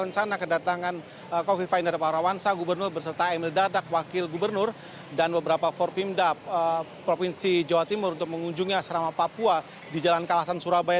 saya emil dadak wakil gubernur dan beberapa forbim dap provinsi jawa timur untuk mengunjungi asrama papua di jalan kalasan surabaya